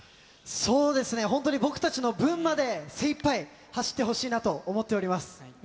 本当に僕たちの分まで、精いっぱい走ってほしいなと思っております。